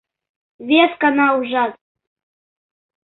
Вескана ужат.